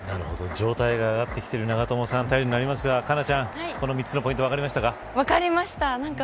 状態が上がってきている長友さんいますが佳菜ちゃん、３つのポイント分かりましたか。